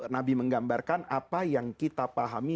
nabi menggambarkan apa yang kita pahami